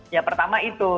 ya pertama itu